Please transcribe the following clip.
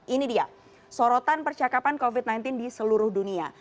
ini dia sorotan percakapan covid sembilan belas di seluruh dunia